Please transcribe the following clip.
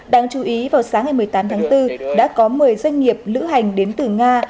đáng chú ý vào sáng ngày một mươi tám tháng bốn đã có một mươi doanh nghiệp lữ hành đến từ nga